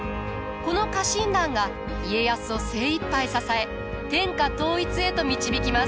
この家臣団が家康を精いっぱい支え天下統一へと導きます。